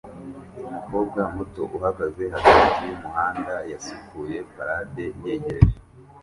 Umukobwa muto uhagaze hagati yumuhanda yasukuye parade yegereje